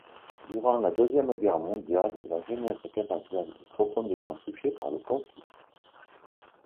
Durant la Deuxième Guerre mondiale, la jeunesse canadienne est profondément touchée par le conflit.